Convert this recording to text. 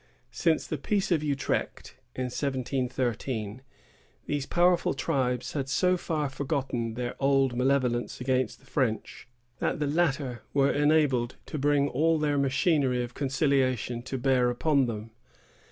Since the peace of Utrecht, in 1713, these powerful tribes had so far forgotten their old malevolence against the French, that the latter were enabled to bring all their machinery of conciliation to bear upon them.